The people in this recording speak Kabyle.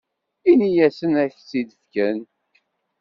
Ini-asen ad ak-tt-id-fken.